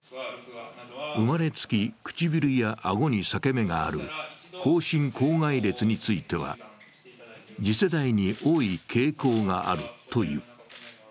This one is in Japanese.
生まれつき唇や顎に裂け目がある口唇口蓋裂については、次世代に多い傾向があるという。